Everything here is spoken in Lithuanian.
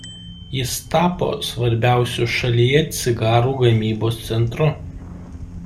Jis tapo svarbiausiu šalyje cigarų gamybos centru.